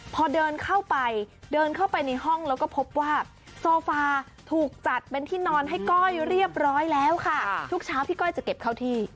พอเดินเข้าไปเดินเข้าไปในห้องแล้วก็พบว่าโซฟาถูกจัดเป็นที่นอนให้ก้อยเรียบร้อยแล้วค่ะทุกเช้าพี่ก้อยจะเก็บเข้าที่